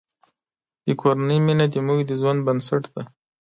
د کورنۍ مینه زموږ د ژوند بنسټ دی.